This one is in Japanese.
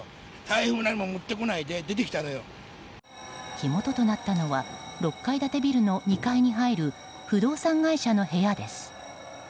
火元となったのは６階建てビルの２階に入る不動産会社の部屋です。